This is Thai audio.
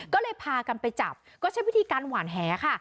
ก็เลยพากันไปจับก็ใช้วิธีการหวานแหค่ะ